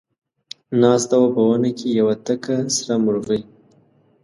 ناسته وه په ونه کې یوه تکه سره مرغۍ